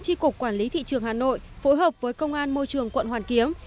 tri cục quản lý thị trường hà nội phối hợp với công an môi trường quận hoàn kiếm